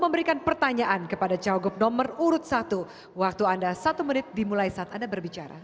memberikan pertanyaan kepada cawagup nomor urut satu waktu anda satu menit dimulai saat anda berbicara